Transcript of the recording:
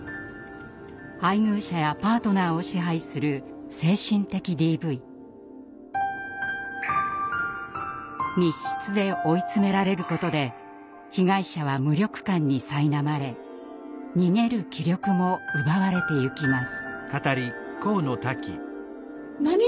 配偶者やパートナーを支配する密室で追い詰められることで被害者は無力感にさいなまれ逃げる気力も奪われてゆきます。